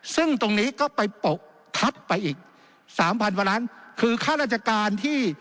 ซึ่งตรงนี้ก็ไปปกคัดไปอีกสามพันกว่าล้านคือค่าราชการที่